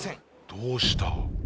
どうした？